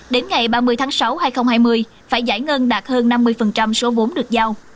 đến ngày ba mươi tháng sáu hai nghìn hai mươi phải giải ngân đạt hơn năm mươi số vốn được giao